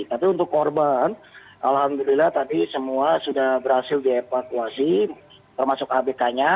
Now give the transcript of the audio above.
tapi untuk korban alhamdulillah tadi semua sudah berhasil dievakuasi termasuk abk nya